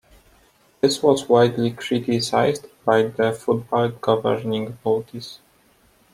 This was widely criticized by the football governing bodies.